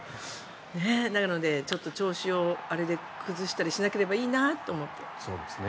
なので調子をあれで崩したりしなければいいなと思って。